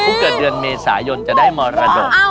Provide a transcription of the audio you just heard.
เกิดเดือนเมษายนจะได้มรดก